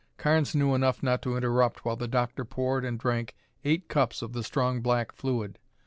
Carnes knew enough not to interrupt while the doctor poured and drank eight cups of the strong black fluid.